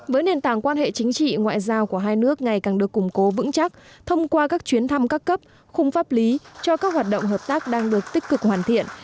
với nền tảng quan hệ chính trị ngoại giao của hai nước ngày càng được củng cố vững chắc thông qua các chuyến thăm các cấp khung pháp lý cho các hoạt động hợp tác đang được tích cực hoàn thiện